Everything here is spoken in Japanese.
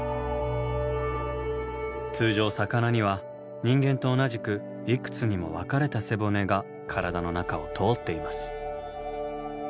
通常魚には人間と同じくいくつにも分かれた背骨が体の中を通っています。